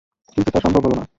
কিন্তু তা সম্ভব হলো না।